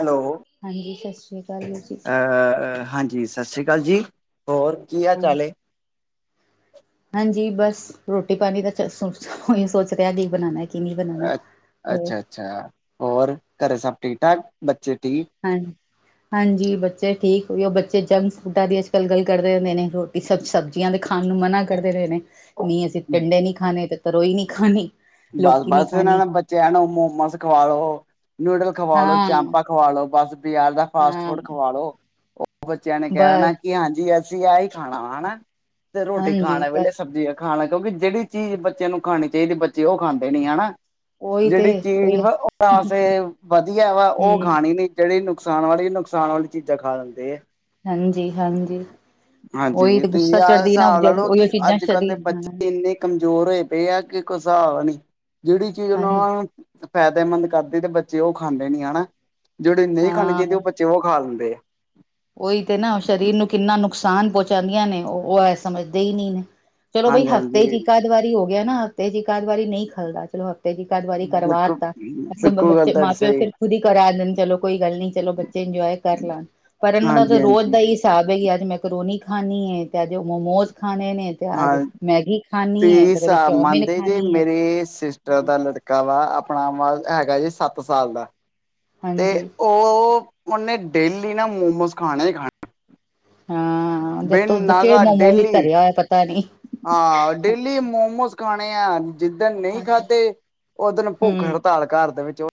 Hello ਹਾਂਜੀ, ਸਤਿ ਸ਼੍ਰੀ ਅਕਾਲ ਵੀਰ ਜੀ ਅ ਅ ਹਾਂਜੀ ਸਤਿ ਸ਼੍ਰੀ ਅਕਾਲ ਜੀ। ਹੋਰ ਕੀ ਹਾਲ ਹਾਂਜੀ ਚਾਲ ਏ? ਹਾਂਜੀ ਬਸ ਰੋਟੀ ਪਾਨੀ ਦਾ ਚ ਸੋਂ ਓਹੀ ਸੋਚ ਰਿਹਾ ਕਿ ਬਨਾਨਾ ਏ? ਅ ਅੱਛਾ ਅੱਛਾ ਹੋਰ ਘਰੇ ਸਭ ਠੀਕ ਠਾਕ ਬੱਚੇ ਠੀਕ ਹਾਂ ਹਾਂਜੀ ਬੱਚੇ ਠੀਕ ਓਇਯੋ ਬੱਚੇ ਜੰਕ ਫੂਡਾਂ ਦੀ ਅੱਜ ਕੱਲ੍ਹ ਗੱਲ ਕਰਦੇ ਹੁੰਦੇ ਨੇ ਰੋ ਕਿ ਸਭ ਸਬਜ਼ੀਆਂ ਦੇ ਖਾਣ ਨੂੰ ਮਨਾ ਕਰਦੇ ਰਹੇ ਨੇ ਨੀ ਅਸੀਂ ਟਿੰਡੇ ਨੀ ਖਾਣੇ ਤੇ ਤਰੋਈ ਨੀ ਖਾਨੀ ਬਸ ਬਸ ਇਨਾਂ ਨੇ ਬੱਚੇਆਂ ਨੂੰ ਮੋਮੋਸ ਖਵਾਲੋ, ਨਿੂਡਲ ਖਵਾਲੋ, ਹਾਂ ਚਾਮਪਾ ਖਵਾ ਲੋ ਬਸ ਬਜਾਰ ਦਾ ਫਾਸਟ ਹਾਂ ਫੂਡ ਖਵਾ ਲੋ ਉਹ ਬੱਚਿਆਂ ਨੇ ਬਸ ਕੇੰਣਾ ਕਿ ਹਾਂਜੀ ਏ ਅਸੀ ਆ ਹੀ ਖਾਣਾ ਵਾ ਹਨਾ ਤੇ ਰੋਟੀ ਹਾਂਜੀ ਖਾਣ ਬਸ ਵੇਲੇ ਸਬਜ਼ੀ ਖਾਣਾ ਕਿਉਂਕਿ ਜੇੜੀ ਚੀਜ਼ ਬੱਚੇ ਨੂੰ ਖਾਣੀ ਚੈਦੀ ਬੱਚੇ ਉਹ ਖਾਂਦੇ ਨੀ ਹੈਣਾ। ਉਹੀ ਤੇ ਜੇੜੀ ਚੀਜ਼ ਉਹੀ ਵ ਓਨਾ ਵਾਸਤੇ ਵਦੀਆ ਵਾ ਉਹ ਹਮ ਖਾਣੀ ਨੀ ਜਿਹੜੀ ਨੁਕਸਾਨ ਵਾਲੀ, ਨੁਕਸਾਨ ਵਾਲੀ ਚੀਜ਼ਾਂ ਖਾ ਲੈਂਦੇ ਆ। ਹਾਂਜੀ-ਹਾਂਜੀ ਹਾਂਜੀ, ਤੁਈ ਆ ਹਿਸਾਬ ਲਾ ਜਿਹੜੀ ਲੋ ਉਹੀ ਕਿ ਚੀਜ਼ਾਂ ਅੱਜ ਕੱਲ੍ਹ ਦੇ ਸ਼ਰੀਰ ਹਾਂ ਬੱਚੇ ਇੰਨੇ ਕਮਜ਼ੋਰ ਹੋਏ ਪਏ ਆ ਕਿ ਕੋਈ ਹਿਸਾਬ ਨੀ, ਜੇੜੀ ਚੀਜ਼ ਹਾਂਜੀ ਉਨਾਂ ਫੇਦੇਮੰਦ ਕਰਦੀ ਤੇ ਬੱਚੇ ਉਹ ਖਾਂਦੇ ਨੀ ਹਨਾ, ਜੜੀ ਨਹੀਂ ਖਾਣੀ ਹਾਂ ਚਾਹੀਦੇ ਉਹ ਬੱਚੇ ਉਹ ਖਾ ਲੈਂਦੇ ਆ। ਓਈ ਤੇ ਨਾ ਸਰੀਰ ਨੂੰ ਕਿੰਨਾ ਨੁਕਸਾਨ ਪੋਚਾਂਦੀਆਂ ਨੇ ਉਹ ਏ ਸਮਝਦੇ ਈ ਨੀ ਨੇ। ਚਲੋ ਬਈ ਹਾਂਜੀ ਹਫ਼ਤੇ ਚ ਹਾਂਜੀ ਇੱਕ ਆਦ ਵਾਰੀ ਹੋ ਗਿਆ ਨਾ ਤੇ ਇੱਕ ਅਦਵਾਰੀ ਨਈ ਖਲਦਾ ਚਲੋ ਤੇ ਜੇ ਇਕੱ ਦੋ ਵਾਰੀ ਕਰਵਾ ਬਿਲਕੁਲ ਤਾ ਬਿਲਕੁਲ ਗੱਲ ਬੱਚੇ ਤੁਹਾਡੀ ਮਾਂ ਪਿਓ ਸਹੀ ਫੇਰ ਖੁਦੀ ਕਰਾ ਦੇਣ ਚਲੋ ਕੋਈ ਗੱਲ ਨੀ ਚਲੋ ਬੱਚੇ ਇੰਜੋਏ ਕਰ ਲਣ ਪਰ ਇਨਾਂ ਦਾ ਤਾ ਹਾਂਜੀ ਰੋਜ਼ ਹਾਂਜੀ ਦਾਈ ਤਾਂ ਬਈ ਅੱਜ ਮੈਂਕਰੋਨੀ ਖਾਂਨੀ ਹੈ, ਅੱਜ ਮੋਮੋਸ ਖਾਨੇ ਨੇ ਤੇ ਅੱਜ ਹਾਂ ਮੈਗੀ ਖਾਣੀ ਤੁਸੀਂ ਹੈ ਤੇ ਕਦੇ ਹਿਸਾਬ ਚੌਮਿਨ ਮੰਨਦੇ ਜੇ ਖਾਣੀ ਹੈ ਮੇਰੇ ਸਿਸਟਰ ਦਾ ਲੜ ਕਾਵਾ ਆਪਣਾ ਵਾ ਹੈਗਾ ਸੱਤ ਸਾਲ ਦਾ ਤੇ ਹਾਂਜੀ ਉਹ ਉਨੇ ਡੇਲੀ ਨਾ ਮੋਮੋਜ਼ ਖਾਣਾ ਈ ਖਾ ਹੂੰ ਜਦ ਜਿਥੇ ਨਾਗਾ ਮੋਮੋ ਵੀ ਡੇਲੀ ਧਰਿਆ ਪਤਾ ਨੀ ਹਾਂ, ਡੇਲੀ ਮੋਮੋਸ ਖਾਣੇ ਆ। ਜਿੱਦਣ ਨਹੀਂ ਹਾਂਜੀ ਖਾਧੇ ਓਦਣ ਭੁੱਖ ਹਮ ਹੜਤਾਲ ਘਰ ਦੇ ਵਿੱਚ ਹੋ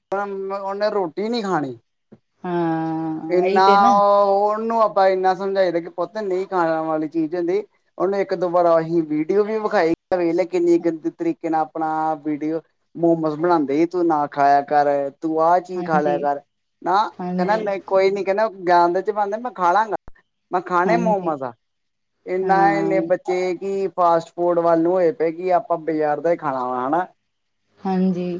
ਉਨੇ ਰੋਟੀ ਨੀ ਖਾਣੀ ਹਾਂ ਇਹੀ ਇੰਨਾ ਤੇ ਨਾ ਉਹਨੂੰ ਆਪਾਂ ਇੰਨਾ ਸਮਜਾਏ ਦਾ ਕੇ ਪੁੱਤ ਨਈ ਖਾਣ ਵਾਲੀ ਚੀਜ਼ ਹੁੰਦੀ ਉਨੇ ਇੱਕ ਦੋਬਾਰ ਆਈ ਵੀਡੀਓ ਵੀ ਵਿਖਾਈ ਆ ਵੇਲੇ ਕਿੰਨੀ ਗੰਦ ਤਰੀਕ ਕੇਨਾ ਆਪਣਾ ਵੀਡੀਓ ਮੋਮੋਸ ਬਣਾਉਂਦੇ ਤੂੰ ਨਾ ਖਾਇਆ ਕਰ ਤੂੰ ਆ ਚੀ ਖਾ ਹਾਂਜੀ ਲੈ ਕਰ, ਨਾ ਕੇਂਦਾ ਹਾਂਜੀ ਨਈ ਕੋਈ ਨੀ ਕੇਂਦਾ ਗਿਆਂਦੇ 'ਚ ਪਾਂਦੇ ਮੈਂ ਖਾ ਲਾਂਗਾ। ਖਾਣੇ ਹਾਂਜੀ ਮੋਮੋਜ਼ ਆ, ਇੰਨਾ ਇਨੇ ਹਾਂ ਬੱਚੇ ਤੇ ਕੀ ਫਾਸਟ ਫੂਡ ਵੱਲ ਨੂੰ ਹੋਏ ਪਏ ਕਿ ਆਪਾਂ ਬਾਜ਼ਾਰ ਦਾ ਹੀ ਖਾਣਾ ਵਾ ਹੈਣਾ ਹਾਂਜੀ,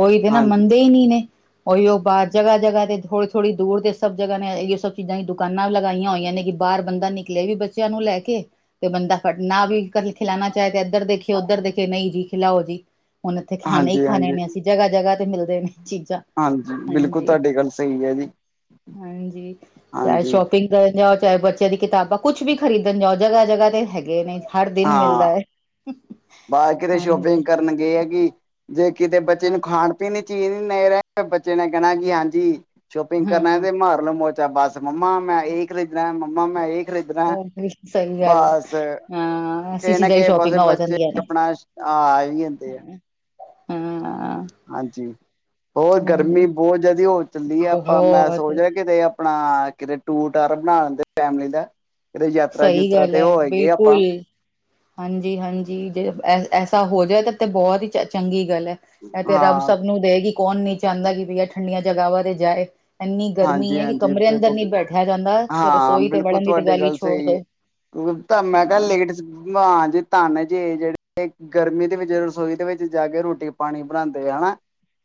ਉਈ ਤੇ ਨਾ ਹਾਂਜੀ ਮੰਨਦੇ ਹੀ ਨੀ ਨੇ ਓਇਯੋ ਬਾਰ ਜਗ੍ਹਾ-ਜਗ੍ਹਾ ਤੇ ਥੋੜੀ-ਥੋੜੀ ਦੂਰ ਤੇ ਸਬ ਜਗਨੇ ਐਯੋ ਸਬ ਚੀਜਾਂ ਈ ਦੁਕਾਨਾਂ ਲਗਾਈਆਂ ਹੋਈਆਂ ਨੇ ਕਿ ਬਾਹਰ ਬੰਦਾ ਨਿਕਲੇ ਵੀ ਬੱਚਿਆਂ ਨੂੰ ਲੈ ਕੇ ਤੇ ਬੰਦਾ ਫੜਨਾ ਵੀ ਕਰ ਖਿਲਾਣਾ ਚਾਏ ਤੇ ਇਧਰ ਦੇਖੀਏ, ਉਧਰ ਦੇਖੇ ਨਈ ਜੀ ਖਿਲਾਓ ਜੀ। ਹੁਣ ਇੱਥੇ ਖਾਣੇ ਹੀ ਹਾਂਜੀ ਖਾਣੇ ਹਾਂਜੀ ਨੇ ਅਸੀਂ ਜਗ੍ਹਾ-ਜਗ੍ਹਾ ਤੇ ਮਿਲਦੇ ਨੇ ਚੀਜ਼ਾਂ ਹਾਂਜੀ ਬਿਲਕੁਲ ਹਾਂਜੀ, ਤੁਹਾਡੀ ਗੱਲ ਸਹੀ ਹੈ ਜੀ ਹਾਂਜੀ ਚਾਏ ਹਾਂਜੀ ਸ਼ੋਪਿੰਗ ਜਾਓ ਚਾਹੇ ਬੱਚਿਆਂ ਦੀ ਕਿਤਾਬਾਂ ਕੁਛ ਵੀ ਖਰੀਦਣ ਜਾਓ ਜਗ੍ਹਾ, ਜਗ੍ਹਾ ਤੇ ਹੈ। ਹੈਗੇ ਨੇ ਹਰ ਦਿਨ ਹਾਂ ਮਿਲਦਾ ਬਾਕੀ ਤੇ ਹਾਂਜੀ ਸ਼ੋਪਿੰਗ ਕਰਨ ਗਏ ਹੈ ਕਿ ਜੇ ਕਿਤੇ ਬੱਚੇ ਹਾਂ ਨੂੰ ਖਾਣ ਪੀਣ ਦੀ ਚੀਜ਼ ਨੀ ਨਹੀਂ ਰਹੇ ਬੱਚੇ ਨੇ ਕਹਿਣਾ ਕਿ ਹਾਂਜੀ। ਸ਼ੋਪਿੰਗ ਕਰਨ ਆ ਹਾਂ ਤੇ ਮਾਰ ਲੋੋ ਮੋਜਾ ਬਸ ਮੰਮਾ ਮੈਂ ਇਹ ਖਰੀਦਣਾ ਮੰਮਾ ਮੈਂ ਇਹ ਖਰੀਦਣਾ ਉਹ ਵੀ ਸਹੀ ਗੱਲ ਹੈ ਬਸ। ਹਾਂ ਐਸੀ ਕਿਸੇ ਨਾ ਚੀਜ਼ਾਂ ਦੀ ਕਿਸੇ ਪਾਸੇ ਸ਼ੋਪਿੰਗਾਂ ਹੋ ਬੱਚੇ ਆਪਣਾ ਆ, ਵੀ ਜਾਂਦੇ ਆ। ਹੂ,,, ਹਾਂਜੀ ਹੋਰ ਗਰਮੀ ਬਹੁਤ ਜ਼ਿਆਦਾ ਹੋ ਚੱਲਦੀ ਹੈ, ਆਪਾਂ ਮੈਂ ਬਹੁਤ ਸੋਚ ਰਿਹਾ ਕਿਤੇ ਆਪਣਾ ਕਿਤੇ ਟੂਰ ਟਾਰ ਬਣਾ ਲੈਂਦੇ ਫੈਮਲੀ ਦਾ ਕਿਦੇ ਯਾਤਰਾ ਸਹੀ ਯੂਤਰਾ ਗੱਲ ਤੇ ਹੈ ਹੋਇਆ ਆਪਾਂ ਬਿਲਕੁਲ ਹਾਂਜੀ, ਹਾਂਜੀ ਜੇ ਐਸਾ ਹੋ ਜਾਵੇ ਤਾਂ, ਤਾਂ ਬਹੁਤ ਹੀ ਚ ਚੰਗੀ ਗੱਲ ਹੈ। ਇਹ ਤੇ ਰੱਬ ਹਾਂ ਸਭ ਨੂੰ ਦੇਗੀ ਕੌਣ ਨੀ ਚਾਹੁੰਦਾ ਕਿ ਬਈ ਐ ਠੰਡੀਆਂ ਜਗ੍ਹਾਵਾਂ ਤੇ ਜਾਏ। ਇੰਨੀ ਗਰਮੀ ਹਾਂਜੀ ਹੈ ਕਿ ਹਾਂਜੀ ਕਮਰੇ ਅੰਦਰ ਬਿਲਕੁਲ ਨਹੀਂ ਬੈਠਿਆ ਜਾਂਦਾ ਤੇ ਹਾਂ ਰਸੋਈ ਤੇ ਬਿਲਕੁਲ ਵੜਨ ਦੀ ਤੇ ਤੁਹਾਡੀ ਗੱਲ ਛੋ ਸਹੀ ਏ ਤਾਂ ਮੈਂ ਕਿਹਾ ਲੇਟਾਂ ਜੇ ਧਨ ਜੇ ਜਿਹੜੇ ਗਰਮੀ ਦੇ ਵਿੱਚ ਰਸੋਈ ਦੇ ਵਿੱਚ ਜਾ ਕੇ ਰੋਟੀ ਪਾਣੀ ਬਣਾਉਂਦੇ ਆ ਹਨਾ।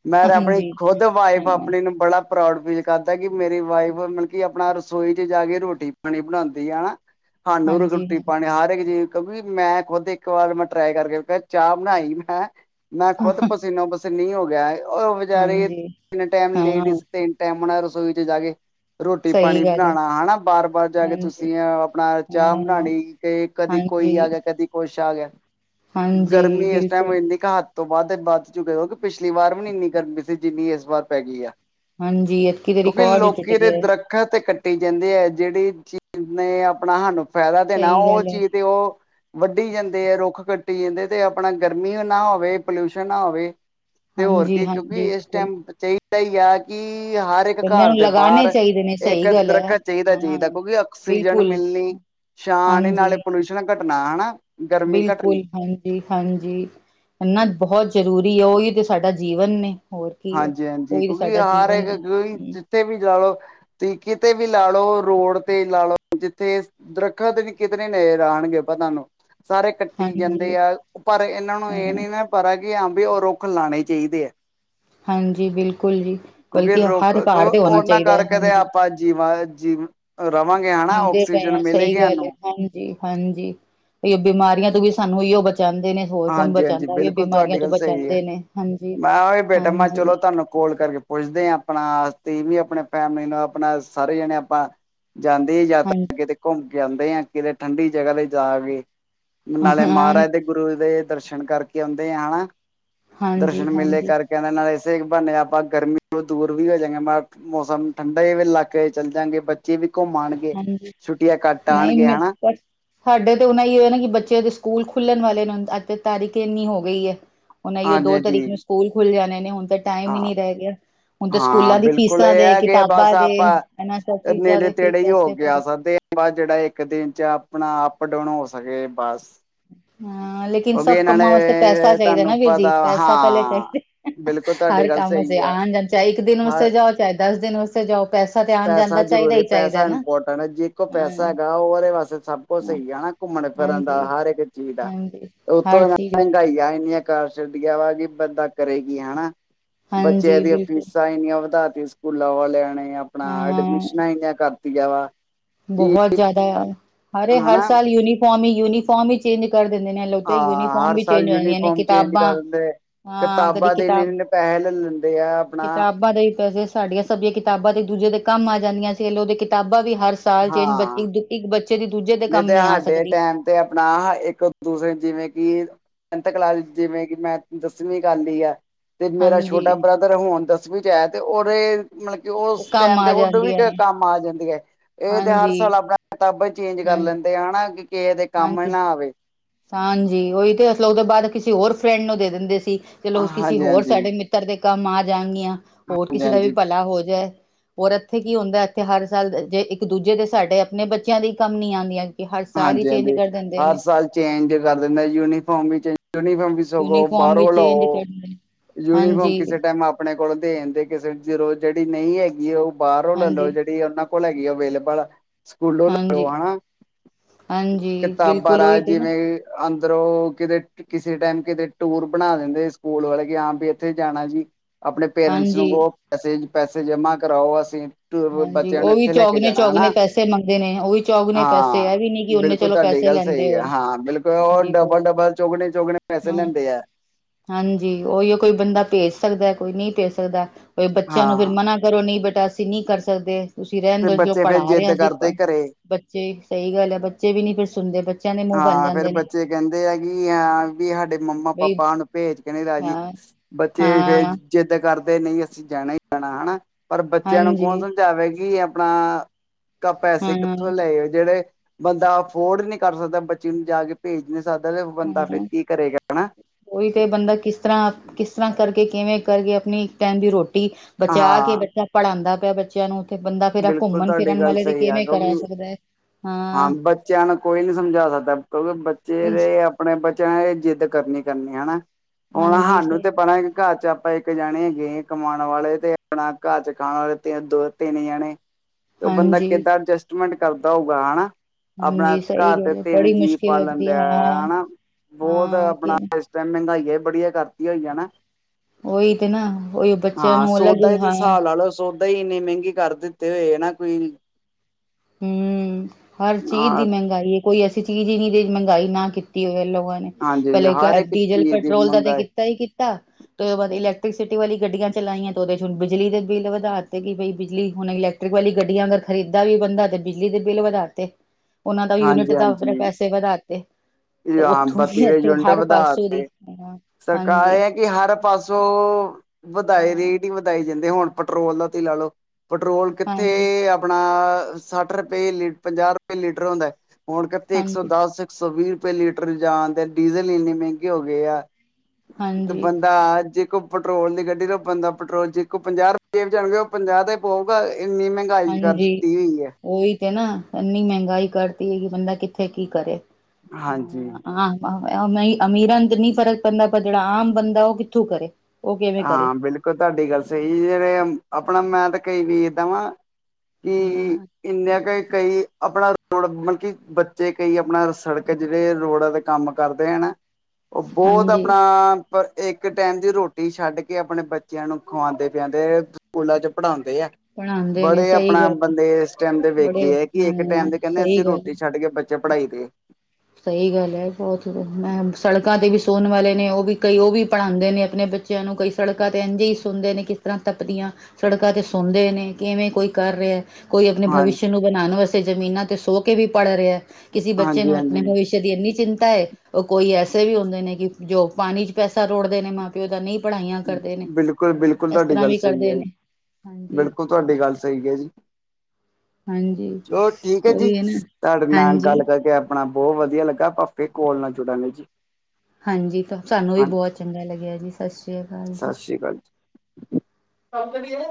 ਮੈਂ ਆਪਣੀ ਹਾਂਜੀ ਖੁਦ ਵਾਈਫ ਹਾਂ ਆਪਣੀ ਨੂੰ ਬੜਾ ਪਰਾਊਡ ਫੀਲ ਕਰਦਾ ਕਿ ਮੇਰੀ ਵਾਈਫ ਮਤਲਬ ਕਿ ਆਪਣਾ ਰਸੋਈ ਚ ਜਾ ਕੇ ਰੋਟੀ ਪਾਣੀ ਬਣਾਉਂਦੀ ਹੈਨਾ। ਸਾਨੂੰ ਹਾਂਜੀ ਰੋਟੀ ਪਾਣੀ ਹਰ ਇੱਕ ਚੀਜ ਕਿਉਂਕਿ ਮੈਂ ਖੁਦ ਇੱਕ ਵਾਰ ਮੈਂ ਟਰਾਈ ਕਰਕੇ ਚਾਹ ਬਣਾਈ ਮੈਂ ਮੈਂ ਹਾਂ ਖੁਦ ਪਸੀਨੋ ਪਸੀ ਚਨੀ ਹੋ ਗਿਆ ਉਹ ਬਚਾਰੇ ਹਾਂਜੀ ਤਿੰਨ ਟਾਈਮ ਹਾਂ ਲੇਡੀਜ਼ ਤਿੰਨ ਟਾਈਮ ਹਨਾ ਰਸੋਈ ਚ ਜਾ ਕੇ ਰੋਟੀ ਪਾਣੀ ਸਹੀ ਗੱਲ ਹੈ ਬਣਾਉਣਾ ਹਨਾ ਬਾਰ, ਬਾਰ ਜਾ ਕੇ ਹਾਂਜੀ ਤੁਸੀਂ ਆਪਣਾ ਚਾਹ ਹਾਂ ਬਣਾਉਣੀ। ਤੇ ਕਦੀ ਕੋਈ ਆ ਹਾਂਜੀ ਗਿਆ, ਕਦੀ ਕੁਛ ਆ ਗਿਆ ਹਾਂਜੀ ਗਰਮੀ ਇਸ ਟਾਈਮ ਬਿਲਕੁਲ ਇੰਨੀ ਤੋਂ ਬਾਅਦ ਵੱਧ ਚੁੱਕ ਹੋ ਕਿ ਪਿਛਲੀ ਵਾਰ ਵੀ ਨਹੀਂ ਇੰਨੀ ਗਰਮੀ ਸੀ ਜਿੰਨੀ ਇਸ ਵਾਰ ਪੈ ਗਈ ਆ। ਹਾਂਜੀ। ਤੇ ਕਿਉਂਕਿ ਰਿਕਾਰਡ ਹੀ ਟੁੱਟ ਲੋਕੀ ਤੇ ਦਰਖਤ ਗਿਆ ਦਰੱਖਤ ਤੇ ਕੱਟੀ ਜਾਂਦੀ ਹੈ, ਜਿਹੜੀ ਚੀਜ਼ ਨੇ ਆਪਣਾ ਸਾਨੂੰ ਫਾਇਦਾ ਦੇਣਾ ਸਹੀ ਉਹ ਗੱਲ ਹੈ ਚੀਜ਼ ਤੇ ਉਹ ਵੱਢੀ ਜਾਂਦੇ ਹੈ ਰੁੱਖ ਕੱਟੀ ਜਾਂਦੇ, ਤੇ ਆਪਣਾ ਗਰਮੀ ਨਾ ਹੋਵੇ ਪੋਲਿਊਸ਼ਨ ਨਾ ਹੋਵੇ। ਤੇ ਹੋਰ ਹਾਂਜੀ ਕੀ ਕਿਉਂਕਿ ਹਾਂਜੀ ਇਸ ਬਿਲਕੁਲ ਟਾਈਮ ਚਾਹੀਦਾ ਹੀ ਆ। ਕਿ ਹਰ ਇੱਕ ਬੰਦਿਆਂ ਘਰ ਨੂੰ ਦੇ ਲਗਾਣੇ ਬਾਹਰ ਚਾਹੀਦੇ ਨੇ ਇੱਕ ਸਹੀ ਗੱਲ ਹੈ ਦਰੱਖਤ ਚਾਹੀਦਾ, ਹਾਂ ਚਾਹੀਦਾ ਕਿਉਂਕਿ ਆਕਸੀਜਨ ਬਿਲਕੁਲ ਮਿਲਣੀ ਛਾਂ ਨੇ ਇਹ ਹਾਂਜੀ ਨਾਲੇ ਪੋਲਿਊਸ਼ਨ ਘਟਣਾ ਹਨਾ। ਗਰਮੀ ਘਟਣੀ ਬਿਲਕੁਲ ਹਾਂ ਹਾਂਜੀ ਹਨਾ ਬਹੁਤ ਜ਼ਰੂਰੀ ਆ ਉਹੀ ਤੇ ਸਾਡਾ ਜੀਵਨ ਨੇ ਹੋਰ ਕੀ ਹੈ ਹਾਂਜੀ, ਹਾਂਜੀ ਉਹੀ ਤੇ ਕਿਉਂਕਿ ਸਾਡਾ ਹਰ ਜੀਵਨ ਇੱਕ ਨੇ ਜਿੱਥੇ ਵੀ ਜਾਓ ਕਿਤੇ ਵੀ ਲਾ ਲੋ ਰੋਡ ਤੇ ਲਾ ਲੋ ਜਿੱਥੇ ਦਰੱਖਤ ਵੀ ਕਿਦਰੇ ਨਜਰ ਆਉਣਗੇ ਅਆਪਾਂ ਤੁਹਾਨੂੰ ਸਾਰੇ ਕੱਟੀ ਹਾਂਜੀ ਜਾਂਦੇ ਆ, ਪਰ ਇਹਨਾਂ ਨੂੰ ਇਹ ਹਮ ਨੀ ਨਾ ਪਰਾ ਕਿ ਹਾਂ ਵਈ ਉਹ ਰੁੱਖ ਲਾਉਣੇ ਚਾਹੀਦੇ ਹੈ। ਹਾਂਜੀ, ਬਿਲਕੁਲ ਜੀ, ਕਿਉਂਕਿ ਬਲਕਿ ਰੁੱਖ ਹਰ ਘਰ ਤੇ ਹੋਣਾ ਉਹਨਾਂ ਚਾਹੀਦਾ ਹੈ, ਕਰਕੇ ਤੇ ਹਾਂਜੀ। ਆਪਾਂ ਜੀਵਾਂ ਜੀਵ ਰਵਾਂਗੇ ਹਨਾ ਜ਼ੀਉਦੇ ਪਏ ਆਕਸੀਜਨ ਆ, ਸਹੀ ਮਿਲੇਗੀ ਗੱਲ ਏ। ਸਾਨੂੰ ਹਾਂਜੀ, ਹਾਂਜੀ, ਇਹੋ ਬਿਮਾਰੀਆਂ ਤੋਂ ਵੀ ਸਾਨੂੰ ਇਹੋ ਬਚਾਉਂਦੇ ਨੇ ਹੋਰ ਕੌਣ ਹਾਂਜੀ, ਹਾਂਜੀ ਬਚਾਉਂਦਾ ਇਹ ਬਿਲਕੁਲ ਬਿਮਾਰੀਆਂ ਤੁਹਾਡੀ ਤੋਂ ਗੱਲ ਸਹੀ ਹੈ, ਬਚਾਉਂਦੇ ਨੇ ਹਾਂਜੀ ਮੈਂ ਓਹੀ ਬੇਟਾ ਮੈਂ ਹਾਂਜੀ ਚਲੋ ਤੁਹਾਨੂੰ ਕੋਲ ਕਰਕੇ ਪੁੱਛਦੇ ਹਾਂ ਆਪਣਾ ਤੇ ਵੀ ਆਪਣੇ ਫੈਮਲੀ ਨੂੰ ਆਪਣਾ ਸਾਰੇ ਜਾਣੇ ਆਪਾਂ ਜਾਂਦੇ ਆ ਹਾਂਜੀ ਯਾਤਰਾ ਕਿਤੇ ਘੁੰਮ ਕੇ ਆਉਂਦੇ ਆ ਕਿਤੇ ਠੰਡੀ ਜਗ੍ਹਾ ਤੇ ਜਾ ਕੇ ਨਾਲੇ ਹਾਂ, ਮਹਾਰਾਜ ਦੇ ਗੁਰੂ ਦੇ ਦਰਸ਼ਨ ਕਰਕੇ ਆਉਂਦੇ ਆ ਹਨਾ। ਹਾਂਜੀ, ਦਰਸ਼ਨ ਮੇਲੇ ਹਾਂਜੀ, ਕਰਕੇ ਇਹਨਾਂ ਨਾਲ ਇਸੇ ਬਹਾਨੇ ਆਪਾਂ ਗਰਮੀ ਤੋਂ ਦੂਰ ਵੀ ਹੋ ਜਾਵਾਂਗੇ ਮ ਮੌਸਮ ਠੰਡਾ ਇਲਾਕੇ ਚੱਲ ਜਾਵਾਂਗੇ ਬੱਚੇ ਵੀ ਘੁੰਮ ਆਉਣਗੇ ਗੇ ਹਾਂਜੀ ਛੁੱਟੀਆਂ ਕੱਟ ਨਹੀਂ ਆਉਣਗੇ ਮੈਂ ਹਨਾ। ਪਰ ਸਾਡੇ ਤੇ ਉਹਨਾ ਹੀ ਨਾ ਕਿ ਬੱਚਿਆਂ ਦੇ ਸਕੂਲ ਖੁੱਲਣ ਵਾਲੇ ਨੇ ਅਜ ਤੇ ਤਾਰੀਖ ਇੰਨੀ ਹੋ ਗਈ ਹੈ। ਹੁਣ ਇਹੋ ਦੋ ਹਾਂਜੀ ਤਰੀਕ ਜੀ ਨੂੰ ਸਕੂਲ ਖੁੱਲ ਜਾਣੇ ਨੇ ਹੁਣ ਤਾਂ ਟਾਈਮ ਹੀ ਹਾਂ ਨਹੀਂ ਰਹਿ ਗਿਆ ਹੁਣ ਤੇ ਹਾਂ ਸਕੂਲਾਂ ਦੀ ਬਿਲਕੁਲ ਫੀਸਾਂ ਇਹ ਦੇ ਹੈ ਕਿ ਬਸ ਕਿਤਾਬਾਂ ਦੇ ਆਪਾਂ ਇਹਨਾਂ ਸਭ ਚੀਜ਼ਾਂ ਦੇ ਫਿਰ ਪੈਸੇ ਭਰੋ ਬੱਸ ਜਿਹੜਾ ਇੱਕ ਦਿਨ ਚ ਆਪਣਾ ਅਪ ਡਾਊਨ ਹੋ ਸਕੇ ਬੱਸ ਹਾਂਲੇ ਇਨ ਸਭ ਕੰਮਾਂ ਵਾਸਤੇ ਪੈਸਾ ਨੇ ਚਾਹੀਦਾ ਨਾ ਤੁਹਾਨੂੰ ਵੀਰ ਜੀ, ਪਤਾ ਪੈਸਾ ਪਹਿਲੇ ਹਾਂ ਚਾਹੀਦਾ ਬਿਲਕੁਲ ਤੁਹਾਡੀ ਹਰ ਗੱਲ ਕੰਮ ਚ ਸਹੀ ਆ ਆਉਣ ਜਾਣ ਚਾਹੇ ਇੱਕ ਦਿਨ ਵਾਸਤੇ ਹਰ ਜਾਓ ਚਾਹੇ ਦਸ ਦਿਨ ਵਾਸ ਤੇ ਜਾਓ ਪੈਸਾ ਤੇ ਆਣ ਜਾਣ ਪੈਸਾ ਦਾ ਚਾਹੀਦਾ ਜ਼ਰੂਰੀ ਹੀ ਚਾਹੀਦਾ ਪੈਸਾ ਨਾ ਇੰਪੋਰਟੈਂਟ ਹੈ ਜੇ ਕੋਈ ਪੈਸਾ ਹਾਂ, ਹੈਗਾ ਉਹਦੇ ਵਾਸਤੇ ਸਬ ਹਾਂ, ਸਹੀ ਆ ਨਾ ਘੁੰਮਣ ਫਿਰਨ ਦਾ ਹਾਂਜੀ। ਹਰ ਇੱਕ ਚੀਜ਼ ਦਾ, ਹਾਂਜੀ, ਹਰ ਉੱਤੋਂ ਚੀਜ਼ ਮਹਿੰਗਾਈ ਆ ਇੰਨੀਆਂ ਕਰ ਛੱਡੀਆਂ ਵਾ ਕਿ ਬੰਦਾ ਕਰੇਗੀ ਹਨਾ ਬੱਚਿਆਂ ਹਾਂਜੀ ਦੀਆਂ ਬਿਲਕੁਲ ਫੀਸਾਂ ਇੰਨੀਆਂ ਵਧਾਤੀਆਂ ਸਕੂਲਾਂ ਵਾਲਿਆਂ ਨੇ ਆਪਣਾ ਹਾਂ, ਐਡਮਿਸ਼ਨਾਂ ਇੰਨੀਆਂ ਕਰਤੀਆਂ ਕਿ ਬਹੁਤ ਜ਼ਿਆਦਾ ਆ ਹਰੇ ਹਰ ਹਨਾ ਸਾਲ ਯੂਨੀਫਾਰਮ ਹੀ ਯੂਨੀਫਾਰਮ ਹੀ ਚੇਂਜ ਕਰ ਦਿੰਦੇ ਨੇ ਲ ਹਾਂ ਯੂਨੀਫਾਰਮ ਹਰ ਵੀ ਸਾਲ ਚੇਂਜ ਹੋ ਜਾਂਦੀਆਂ ਨੇ ਯੂਨੀਫਾਰਮ ਚੇਂਜ ਕਿਤਾਬਾਂ ਕਰ ਦਿੰਦੇ ਹਾਂ ਕਦੀ ਕਿਤਾਬਾਂ ਦੇ ਕਿਤਾਬ, ਇੰਨੇ-ਇੰਨੇ ਪੈਸੇ ਲੈ ਲੈਂਦੇ ਆ ਆਪਣਾ ਕਿਤਾਬਾਂ ਦੇ ਵੀ ਪੈਸੇ ਸਾਡੀਆਂ ਸਭ ਦਿਆਂ ਕਿਤਾਬਾਂ ਤੇ ਇਕ ਦੂਜੇ ਦੇ ਕੰਮ ਆ ਜਾਂਦੀਆਂ ਸੀ ਉਹਦੇ ਕਿਤਾਬਾਂ ਵੀ ਹਰ ਸਾਲ ਚੇਂਜ ਹਾਂ ਬੱਚੇ ਇੱਕ ਬੱਚੇ ਦੀ ਦੂਜੇ ਦੇ ਨਹੀਂ ਕੰਮ ਤੇ ਨੀ ਆ ਸਾਡੇ ਸਕਦੀ ਟੈਮ ਤੇ ਆਪਣਾ ਇੱਕ ਦੂਸਰੇ ਜਿਵੇਂ ਕੀ ਟੈਂਥ ਕਲਾਸ ਜਿਵੇਂ ਕਿ ਮੈਂ ਦਸਵੀਂ ਕਰ ਲਈ ਹੈ ਤੇ ਮੇਰਾ ਹਾਂਜੀ, ਛੋਟਾ ਬ੍ਰਦਰ ਹੁਣ ਦਸਵੀਂ ਚ ਹੋਇਆ ਤੇ ਉਹਦੇ ਮਤਲਬ ਕਿ ਉਹ ਉਸ ਕੰਮ ਟਾਇਮ ਤੇ ਆ ਉਦੋਂ ਵੀ ਜਾਂਦੀਆਂ ਨੇ ਕੰਮ ਆ ਜਾਂਦੀ ਹੈ, ਇਹ ਤੇ ਹਰ ਹਾਂਜੀ, ਸਾਲ ਆਪਣਾ ਕਿਤਾਬਾਂ ਚੇਂਜ ਕਰ ਹਾਂ ਲੈਂਦੇ ਆ ਨਾ ਕਿ ਕਿਸੇ ਦੇ ਕੰਮ ਹਾਂਜੀ ਨਾਂ ਆਵੇ ਹਾਂਜੀ ਉਹੀ ਤੇ ਅਸੀ ਉਹਦੇ ਬਾਅਦ ਕਿਸੇ ਹੋਰ ਫਰੈਂਡ ਨੂੰ ਦੇ ਦਿੰਦੇ ਸੀ ਚਲੋ ਕਿਸੇ ਹੋਰ ਹਾਂਜੀ-ਹਾਂਜੀ, ਸਾਡੇ ਮਿੱਤਰ ਮਿੱਤਰ ਦੇ ਕੰਮ ਆ ਜਾਣਗੀਆਂ, ਹੋਰ ਕਿਸੇ ਦਾ ਹਾਂਜੀ-ਹਾਂਜੀ ਵੀ ਭਲਾ ਹੋ ਜਾਏ ਹੋਰ ਇੱਥੇ ਕੀ ਹੁੰਦਾ ਇੱਥੇ ਹਰ ਸਾਲ ਜੇ ਇੱਕ ਦੂਜੇ ਦੇ ਸਾਡੇ ਆਪਣੇ ਬੱਚਿਆਂ ਦੇ ਕੰਮ ਨਹੀਂ ਆਉਂਦੀਆਂ ਕਿ ਹਰ ਸਾਲ ਹੀ ਹਾਂਜੀ ਚੇਂਜ ਹਾਂਜੀ ਕਰ ਦਿੰਦੇ ਹਰ ਨੇ ਸਾਲ ਚੇਂਜ ਕਰ ਦਿੰਦਾ ਯੂਨੀਫਾਰਮ ਵੀ ਚੇਂ ਯੂਨੀਫਾਰਮ ਵੀ ਸਗੋ ਯੂਨੀਫਾਰਮ ਵੀ ਬਾਹਰੋਂ ਚੇਂਜ ਲਓ ਕਰ ਦਿੰਦੇ ਨੇ ਯੂਨੀਫਾਰਮ ਹਾਂਜੀ ਕਿਸੇ ਟਾਈਮ ਆਪ ਆਪਣੇ ਕੋਲ ਦੇਣ ਦੇ ਕਿਸੇ ਜੀ ਰੋਜ਼ ਜਿਹੜੀ ਨਹੀਂ ਹੈਗੀ ਉਹ ਬਾਹਰੋਂ ਲੈ ਲਓ ਹਾਂਜੀ ਜਿਹੜੀ ਉਹਨਾਂ ਕੋਲ ਹੈਗੀ ਅਵੇਲੇਬਲ ਸਕੂਲੋਂ ਲਓ ਹਾਂਜੀ ਹਨਾ ਹਾਂਜੀ ਕਿਤਾਬਾਂ ਬਿਲਕੁਲ ਰਾਹ ਉਹੀ ਤੇ ਨਾ ਜਿਵੇਂ ਅੰਦਰੋਂ ਕਿਤੇ ਕਿਸੇ ਟਾਈਮ ਕਿਤੇ ਟੂਰ ਬਣਾ ਦਿੰਦੇ ਸਕੂਲ ਵਾਲੇ ਕਿ ਹਾਂ ਵੀ ਇੱਥੇ ਜਾਣਾ ਜੀ ਆਪਣੇ ਪੇਰੈਂਟਸ ਨੂੰ ਹਾਂਜੀ ਕਹੋ ਪੈਸੇ ਪੈਸੇ ਜਮ੍ਹਾਂ ਕਰਾਓ ਅਸੀਂ ਟੂਰ ਹਾਂਜੀ ਬੱਚਿਆਂ ਨੂੰ ਉਹ ਵੀ ਇੱਥੇ ਲੈ ਕੇ ਚੌਗਨੇ ਜਾਣਾ ਚੌਗਨੇ ਹਣਾ ਪੈਸੇ ਮੰਗਦੇ ਨੇ ਉਹ ਵੀ ਚੌਗਨੇ ਪੈਸੇ ਹਾਂ ਇਹ ਵੀ ਨੀ ਕਿ ਉਹਨੇ ਬਿਲਕੁੱਲ ਚਲੋ ਤੁਹਾਡੀ ਪੈਸੇ ਗੱਲ ਲੈਂਦੇ ਸਹੀ ਹੈ ਹੋਣ ਹਾਂ ਬਿਲਕੁੱਲ ਉਹ ਹਾਂਜੀ ਡਬਲ ਬਹੁਤ ਡਬਲ ਚੋਗਣੇ ਚੋਗਣੇ ਪੈਸੇ ਹਾਂ ਲੈਂਦੇ ਆ ਹਾਂਜੀ ਉਹੀਓ ਕੋਈ ਬੰਦਾ ਭੇਜ ਸਕਦਾ ਕੋਈ ਨਹੀਂ ਭੇਜ ਸਕਦਾ ਕੋਈ ਬੱਚਿਆਂ ਨੂੰ ਫਿਰ ਹਾਂ ਮਨਾ ਘਰੋਂ ਨਹੀਂ ਬੇਟਾ ਅਸੀਂ ਨਹੀਂ ਕਰ ਸਕਦੇ ਤੁਸੀਂ ਤੇ ਰਹਿਣਦੋ ਜੀ ਉਹ ਬੱਚੇ ਫੇਰ ਪੜ੍ਹਾ ਰਹੇ ਜਿੱਦ ਅਸੀ ਤਾਂ ਕਰਦੇ ਘਰੇ ਬੱਚੇ ਸਹੀ ਗੱਲ ਹੈ ਬੱਚੇ ਵੀ ਨੀ ਫਿਰ ਸੁਣਦੇ ਬੱਚੇ ਹਾਂ ਫਿਰ ਬੱਚੇ ਕਹਿੰਦੇ ਆ ਕਿ ਹਾਂ ਵੀ ਸਾਡੇ ਮੰਮਾ ਬਈ ਪਾਪਾ ਸਾਨੂੰ ਭੇਜ ਕੇ ਨਹੀਂ ਰਾਜੀ ਹਾਂ ਬੱਚੇ ਫਿਰ ਹਾਂ ਜਿੱਦ ਕਰਦੇ ਨਹੀਂ ਅਸੀਂ ਜਾਣਾ ਹੀ ਜਾਣਾ ਹੈ ਪਰ ਬੱਚਿਆਂ ਨੂੰ ਹਾਂਜੀ ਕੌਣ ਸਂਮਝਾਵੇ ਜਾਵੇਗੀ ਆਪਣਾ ਕ ਪੈਸੇ ਹਾਂ ਕਿੱਥੋਂ ਲੈ ਜਿਹੜੇ ਬੰਦਾ ਅਫੋਰਡ ਨੀ ਕਰ ਸਕਦਾ ਬੱਚੀ ਨੂੰ ਜਾ ਕੇ ਭੇਜ ਨਹੀਂ ਸਕਦਾ ਤੇ ਬੰਦਾ ਫਿਰ ਹਾਂ ਕੀ ਕਰੇਗਾ ਹਨਾ ਉਹੀ ਤੇ ਬੰਦਾ ਕਿਸ ਤਰ੍ਹਾਂ ਕਿਸ ਤਰ੍ਹਾਂ ਕਰਕੇ ਕਿਵੇਂ ਕਰਕੇ ਆਪਣੀ ਇੱਕ ਟਾਈਮ ਦੀ ਰੋਟੀ ਬਚਾ ਕੇ ਹਾਂ ਬੱਚਾ ਪੜ੍ਹਾਉਂਦਾ ਪਿਆ ਬੱਚਿਆਂ ਨੂੰ ਬੰਦਾ ਫਿਰ ਬਿਲਕੁਲ ਘੁੰਮਣ ਤੁਹਾਡੀ ਫਿਰਨ ਗੱਲ ਵਾਲੇ ਤੇ ਸਹੀ ਆ ਕਿਵੇਂ ਕਰਾ ਕਿਉਂਕਿ ਸਕਦਾ ਹੈ ਹਾਂ ਬੱਚਿਆਂ ਨੂੰ ਕੋਈ ਨੀ ਸਮਝਾ ਸਕਦਾ ਕਿਉਂਕਿ ਬੱਚੇ ਇਸ ਦੇ ਆਪਣੇ ਬੱਚਿਆਂ ਨੇ ਇਹ ਜਿੱਦ ਕਰਨੀ ਕਰਨੀ ਹੈ ਹੁਣ ਹਾਂਜੀ ਸਾਨੂੰ ਸਹੀ ਤੇ ਪਤਾ ਘਰ ਚ ਆਪਾਂ ਇੱਕ ਜਣੇ ਹੈਗੇ ਕਮਾਉਣ ਵਾਲੇ ਤੇ ਆਪਣਾ ਘਰ ਚ ਖਾਣ ਵਾਲੇ ਦੋ ਤਿੰਨ ਜਣੇ ਜਣੇ ਤੇ ਉਹ ਬੰਦਾ ਹਾਂਜੀ ਕਿੱਦਾਂ ਅਡਜਸਟਮੈਂਟ ਕਰਦਾ ਹੋਊਗਾ ਹਨਾ ਆਪਣਾ ਹਾਂਜੀ ਸਹੀ ਘਰ ਦੇ ਗੱਲ ਹੈ ਬੜੀ ਤਿੰਨ ਜੀਵ ਮੁਸ਼ਕਿਲ ਪਾਲਨ ਹੁੰਦੀ ਹੈ ਹਾਂ ਡਿਹਾ ਹਨਾ ਬਹੁੱਤ ਹਾਂ ਆਪਣਾ ਕਿ ਇਸ ਟਾਇਮ ਮਹਿੰਗਾਈਆਂ ਬੜੀਆ ਕਰਤੀ ਹੋਈ ਹੈ ਨਾ ਉਹੀ ਤੇ ਨਾ ਉਹੀ ਬੱਚਿਆਂ ਹਾਂ ਨੂੰ ਅਲੱਗ ਸੌਦਾ ਹੀ ਤੇ ਹਾਂ ਹਿਸਾਬ ਸੌਦਾ ਦਾਂ ਹੀ ਇੰਨਨੀ ਮਹਿੰਗੀ ਕਰ ਦਿੱਤੇ ਹੋਏ ਆ ਨਾ ਕੋਈ ਹਮ ਹਰ ਚੀਜ਼ ਹਾਂ ਦੀ ਮਹਿੰਗਾਈ ਹੈ ਕੋਈ ਐਸੀ ਚੀਜ਼ ਹੀ ਨਹੀਂ ਦੇ ਮਹਿੰਗਾਈ ਨਾ ਕੀਤੀ ਹੋਵੇ ਲੋਕਾਂ ਨੇ। ਹਾਂਜੀ ਹਰ ਪਹਿਲ ਇੱਕ ਡੀਜ਼ਲ ਚੀਜ਼ ਦੀ ਪੈਟਰੋਲ ਦਾ ਤੇ ਮਹਿੰਗਾਈ ਕੀਤਾ ਹੀ ਕੀਤਾ। ਤੇ ਉਹ ਬਾਅਦ ਇਲੈਕਟ੍ਰੀਸਿਟੀ ਵਾਲੀ ਗੱਡੀਆਂ ਚਲਾਈਆਂ ਤੇ ਉਹਦੇ ਚ ਹੁ ਬਿਜਲੀ ਦੇ ਬਿੱਲ ਵਧਾ ਦਿੱਤੇ ਕਿ ਬਈ ਬਿਜਲੀ ਹੁਣ ਇਲੈਕ ਵਾਲੀ ਗੱਡੀਆਂ ਅਗਰ ਖਰੀਦਾ ਵੀ ਬੰਦਾ। ਬਿਜਲੀ ਦੇ ਬਿੱਲ ਵਧਾਤੇ ਉਹਨਾਂ ਦਾ ਯੂਨਿਟ ਤਾਂ ਉ ਪੈਸੇ ਵਧਾਤੇ ਹਬਤੀਰੇ ਯੂਨਿਟ ਵਧਾ ਦੀ ਤੇ। ਹਾਂ, ਸਰਕਾਰ ਇਹ ਹਾਂਜੀ ਹੈ ਕਿ ਹਰ ਪਾਸੋਂ ਵਧਾਏ ਹਾਂ ਰੇਟ ਹੀ ਵਧਾਈ ਜਾਂਦੇ ਹੁਣ ਪੈਟਰੋਲ ਦਾ ਤੇ ਲਾ ਲਓ ਪੈਟਰੋਲ ਕਿੱਥੇ। ਹਾਂਜੀ ਆਪਣਾ ਸੱਠ ਰੁਪਏ ਲ ਪੰਜਾਹ ਰੁਪਏ ਲੀਟਰ ਹੁੰਦਾ ਹੁਣ ਕਿਤੇ ਇੱਕ ਸੌ ਹਾਂਜੀ ਦਸ ਇੱਕ ਸੌ ਵੀਹ ਰੁਪਏ। ਰੁਪਏ ਲੀਟਰ ਜਾਣਦੇ ਡੀਜ਼ਲ ਇੰਨੇ ਮਹਿੰਗੇ ਹੋ ਗਏ ਆ ਤੇ ਹਾਂਜੀ ਬੰਦਾ ਜੇ ਕੋੋ। ਪੈਟਰੋਲ ਦੀ ਗੱਡੀ ਰ ਬਣਦਾ ਪੈਟਰੋ ਜ ਕੋਈ ਪੰਜਾਹ ਰੁਪਏ ਜਾਣਗੇ ਉਹ ਪੰਜਾਹ ਦਾ ਪਊਗਾ ਇੰਨੀ ਮਹਿੰ ਹਾਂਜੀ, ਉਹੀ ਤੇ ਨਾ ਇੰਨੀ ਮਹਿੰਗਾਈ ਕਰਤੀ ਹੈ ਕਿ ਬੰਦਾ ਕਿੱਥੇ ਕੀ ਕਰੇ। ਹਾਂਜੀ। [unintelligible] ਅਮੀਰਾਂ ਤੇ ਨੀ ਫਰਕ ਪੈਂਦਾ ਪਰ ਜਿਹੜਾ ਆਮ ਬੰਦਾ ਉਹ ਕਿੱਥੋਂ ਕਰੇ। ਉਹ ਕਿਵੇਂ ਕਰੇ ਹਾਂ ਬਿਲਕੁਲ ਤੁਹਾਡੀ ਗੱਲ ਸਹੀ ਜਿਹੜੇ ਆਪਣਾ ਮੈਂ ਤਾਂ ਕਈ ਵੀ ਏਦਾਂ ਵਾ ਕਿ ਹਾਂ ਇੰਨੇ ਕ ਕਈ ਆਪਣਾ ਰੜ ਮਤਲਬ ਕਿ ਬੱਚੇ ਕਈ ਆਪਣਾ ਸੜਕ ਜਿਹੜੇ ਰੋਡਾਂ ਤੇ ਕੰਮ ਕਰਦੇ ਹਨਾ ਉਹ ਬਹੁਤ ਹਾਂਜੀ ਆਪਣਾ ਪਰ ਇੱਕ ਟਾਈਮ ਦੀ ਰੋਟੀ ਰਟੀ ਛੱਡ ਕੇ ਆਪਣੇ ਬੱਚਿਆਂ ਨੂੰ ਖਵਾਉਂਦੇ ਪੀਉਂਦੇ ਸਕੂਲਾਂ ਚ ਪੜ੍ਹਾਉਂਦੇ ਆ। ਪੜ੍ਹਾਉਂਦੇ ਨੇ ਬੜੇ ਸਹੀ ਆਪਣਾ ਗੱਲ ਹੈ, ਬੰਦੇ ਇਸ ਟਾਈਮ ਦੇ ਬੜੇ ਵੇਖੇ ਹੈ ਕਿ ਇੱਕ ਟੈਮ ਹਾਂ ਦੇ ਕਹਿੰਦੇ ਸਹੀ ਅਸੀਂ ਗੱਲ ਹੈ। ਰੋਟੀ ਛੱਡ ਕੇੇ। ਜਪੜਈ ਤੇ। ਸਹੀ ਗੱਲ ਹੈ, ਬਹੁਤ ਮੈਂ ਸੜਕਾਂ ਤੇ ਵੀ ਸੋਣ ਵਾਲੇ ਨੇ ਉਹ ਵੀ ਕਈ ਉਹ ਵੀ ਪੜ੍ਹਾਉਂਦੇ ਨੇ ਆਪਣੇ ਬੱਚੇ ਬੱਚਿਆਂ ਨੂੰ ਕਈ ਸੜਕਾਂ 'ਤੇ ਇੰਝ ਹੀ ਸੁਣਦੇ ਨੇ ਕਿਸ ਤਰ੍ਹਾਂ ਤਪਦੀਆਂ ਸੜਕਾਂ ਤੇ ਸੌਦੇ ਨੇ ਕਿਵੇਂ ਕੋਈ ਕਰ ਰਿਹਾ। ਕੋਈ ਆਪਣੇ ਹਾਂ ਭਵਿਸ਼ ਨੂੰ ਬਣਾਉਣ ਵਾਸਤੇ ਜ਼ਮੀਨਾਂ 'ਤੇ ਸੋ ਕੇ ਵੀ ਪੜ੍ਹ ਰਿਹਾ ਕਿਸੇ ਬੱਚੇ ਹਾਂਜੀ ਨੂੰ। ਹਾਂਜੀ ਵਿਸ਼ੇ ਦੀ ਇੰਨੀ ਚਿੰਤਾ ਉਹ ਕੋਈ ਐਸੇ ਵੀ ਹੁੰਦੇ ਨੇ ਕਿ ਜੋ ਪਾਣੀ ਚ ਪੈਸਾ ਰੋੜਦੇ ਨੇ ਮਾਂ ਪ ਪਿਓ ਤਾਂ ਨਹੀਂ ਪੜ੍ਹਾਈਆਂ ਕਰਦੇ ਨੇ ਬਿਲਕੁਲ ਬਿਲਕੁਲ ਇਸ ਤੁਹਾਡੀ ਤਰ੍ਹਾਂ ਗੱਲ ਵੀ ਸਹੀ ਕਰਦੇ ਹੈ ਜੀ ਨੇ ਹਾਂਜੀ। ਬਿਲਕੁਲ ਤੁਹਾਡੀ ਗੱਲ ਸਹੀ ਹੈ ਜੀ। ਹਾਂਜੀ, ਚ ਠੀਕ ਹੈ ਜੀ ਉਹੀ ਨਾ ਤੁਹਾਡੇ ਨਾਲ ਹਾਂਜੀ ਗੱਲ ਕਰਕੇ। ਆਪਣਾ ਬਹੁਤ ਵਧੀਆ ਲੱਗਾ ਭਾ ਫੇ ਕੋਲ ਨਾਲ ਜੁੜਨ ਨੇ ਜੀ। ਹਾਂਜੀ, ਤਾਂ ਸਾਨੂੰ ਹਾਂਜੀ ਵੀ ਬਹੁਤ ਚੰਗਾ ਲੱਗਿਆ ਜੀ। ਸਤਿ ਸ਼੍ਰੀ ਅਕਾਲ, ਜੀ ਸਤਿ ਸ੍ਰੀ ਅਕਾਲ ਜੀ।